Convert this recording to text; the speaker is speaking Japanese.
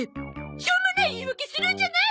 しょうもない言い訳するんじゃない！